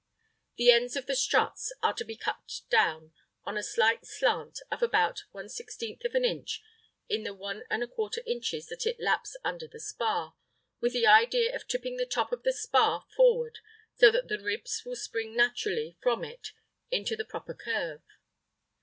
The ends of the struts are to be cut down on a slight slant of about 1/16 inch in the 1¼ inches that it laps under the spar with the idea of tipping the top of the spar forward so that the ribs will spring naturally from it into the proper curve.